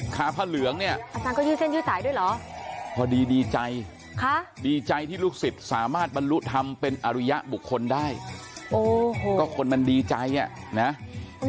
ขาพระเหลืองเนี่ยอาจารย์ก็ยืดเส้นยืดสายด้วยเหรอพอดีดีใจดีใจที่ลูกศิษย์สามารถบรรลุธรรมเป็นอริยบุคคลได้โอ้โหก็คนมันดีใจอ่ะนะ